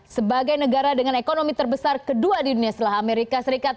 sebagai negara dengan ekonomi terbesar kedua di dunia setelah amerika serikat